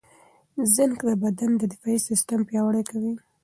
زېنک د بدن دفاعي سیستم پیاوړی کوي.